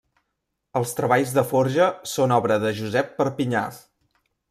Els treballs de forja són obra de Josep Perpinyà.